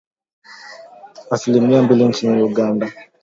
asilimia mbili nchini Uganda